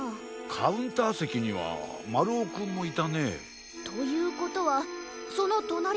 カウンターせきにはまるおくんもいたね。ということはそのとなりだから。